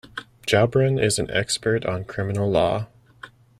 Joubran is an expert on criminal law.